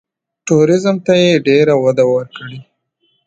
ټوریزم ته یې ډېره وده ورکړې.